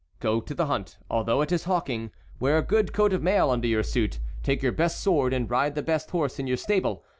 "Go to the hunt, although it is hawking; wear a good coat of mail under your suit; take your best sword and ride the best horse in your stable.